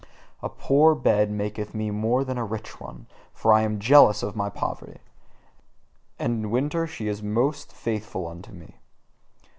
A poor bed warmeth me more than a rich one, for I am jealous of my poverty. And in winter she is most faithful unto me.